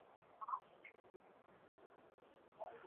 晃板本身通常是木制。